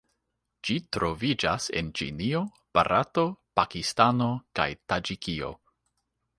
Ĝi troviĝas en Ĉinio, Barato, Pakistano kaj Taĝikio.